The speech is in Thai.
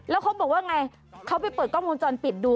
แล้วเขาบอกว่าไงเขาไปเปิดกล้องวงจรปิดดู